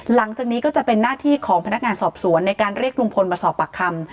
หลังจากนี้ก็จะเป็นหน้าที่ของพนักงานสอบสวนในการเรียกลุงพลมาสอบปากคำ